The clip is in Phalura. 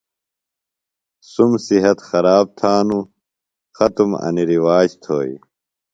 سُم صحت خراب تھانوۡ، ختم انیۡ رِواج تھوئیۡ